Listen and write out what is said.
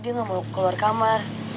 dia nggak mau keluar kamar